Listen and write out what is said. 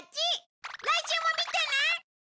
来週も見てね！